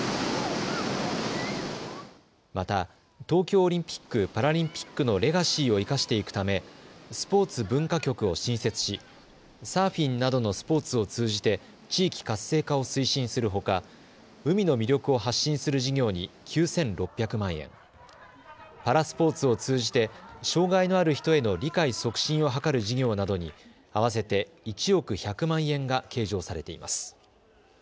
また東京オリンピック・パラリンピックのレガシーを生かしていくためスポーツ・文化局を新設しサーフィンなどのスポーツを通じて地域活性化を推進するほか海の魅力を発信する事業に９６００万円、パラスポーツを通じて障害のある人への理解促進を図る事業などに合わせて１億１００万円が計上されています。